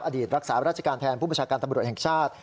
รักษาราชการแทนผู้ประชาการตำรวจแห่งชาติ